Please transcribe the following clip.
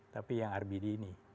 tapi yang rbd ini